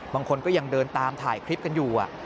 บางคนก็ยังเดินตามถ่ายคลิปกันอยู่